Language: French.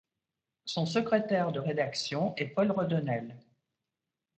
Son secrétaire de rédaction est Paul Redonnel.